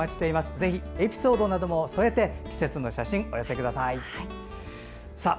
ぜひエピソードなども添えて季節の写真お寄せください。